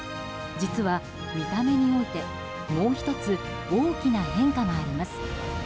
実は見た目においてもう１つ大きな変化があります。